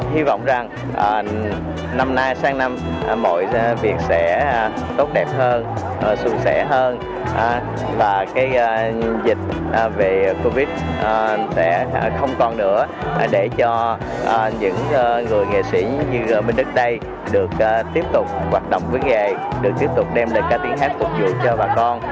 hi vọng rằng năm nay sang năm mọi việc sẽ tốt đẹp hơn xung sẻ hơn và cái dịch về covid sẽ không còn nữa để cho những người nghệ sĩ như minh đức đây được tiếp tục hoạt động với nghề được tiếp tục đem lại ca tiếng hát phục vụ cho bà con